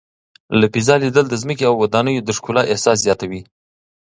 له فضا لیدل د ځمکې او ودانیو د ښکلا احساس زیاتوي.